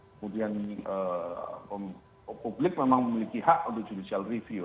kemudian publik memang memiliki hak untuk judicial review